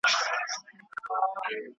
په دې تور اغزن سفر کي انسانان لکه ژوري `